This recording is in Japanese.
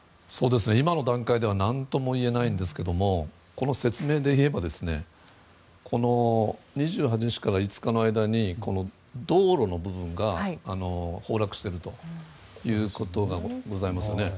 今の段階では何とも言えないんですけどこの説明でいえば２８日から５日の間に道路の部分が崩落しているということがございますよね。